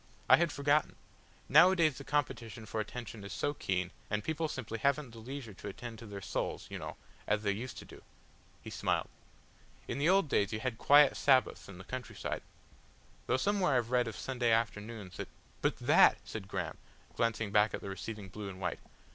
I had forgotten. Nowadays the competition for attention is so keen, and people simply haven't the leisure to attend to their souls, you know, as they used to do." He smiled. "In the old days you had quiet Sabbaths and the countryside. Though somewhere I've read of Sunday afternoons that " "But that," said Graham, glancing back at the receding blue and white.